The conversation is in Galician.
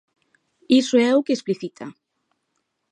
Iso é o que explicita.